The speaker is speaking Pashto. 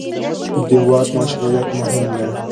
د واک مشروعیت مهم دی